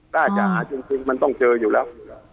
ถ้าจะหาจริงมันต้องเจออยู่แล้ว